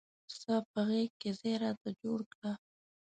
ستا په غیږ کې ځای راته جوړ کړه.